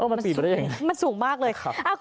เออมันปีนไปได้ยังไงมันสูงมากเลย